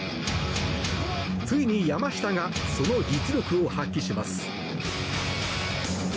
ついに山下がその実力を発揮します。